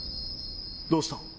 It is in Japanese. どうした？